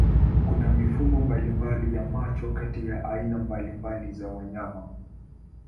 Kuna mifumo mbalimbali ya macho kati ya aina mbalimbali za wanyama.